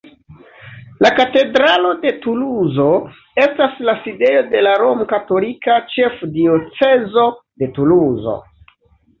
La katedralo de Tuluzo estas la sidejo de la Romkatolika Ĉefdiocezo de Tuluzo.